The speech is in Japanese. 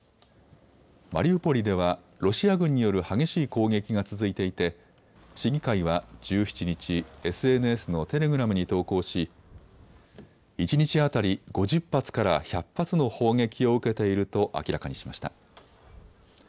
マリウポリではロシア軍による激しい攻撃が続いていて市議会は１７日、ＳＮＳのテレグラムに投稿し一日当たり５０発から１００発の砲撃を受けていると明らかにしました。